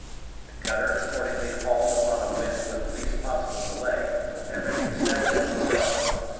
The cutter accordingly hauled upon a wind with the least possible delay, with everything set that would draw.